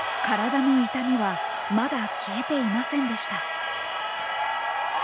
体の痛みはまだ消えていませんでした。